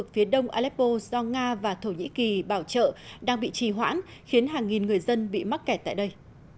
phía đông aleppo do nga và thổ nhĩ kỳ bảo trợ đang bị trì hoãn khiến hàng nghìn người dân bị mắc kẹt tại đây